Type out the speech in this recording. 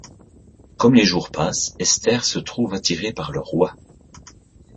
Comme les jours passent, Esther se trouve attirée par le roi.